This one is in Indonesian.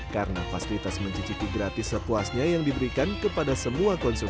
karena fasilitas mencicipi gratis sepuasnya yang diberikan kepada semua konsumen